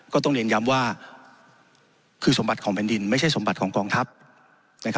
ก็ต้องเรียนย้ำว่าคือสมบัติของแผ่นดินไม่ใช่สมบัติของกองทัพ